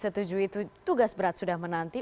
setuju itu tugas berat sudah menanti